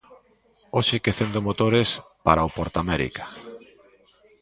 Hoxe quecendo motores para o PortAmérica.